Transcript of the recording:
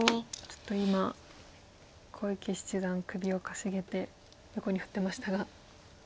ちょっと今小池七段首をかしげて横に振ってましたが。